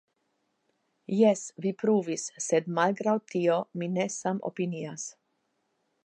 Jes, vi pruvis, sed malgraŭ tio mi ne samopinias.